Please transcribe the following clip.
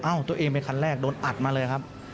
ตัวเองเป็นคันแรกโดนอัดมาเลยครับ